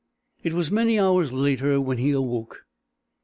It was many hours later when he awoke.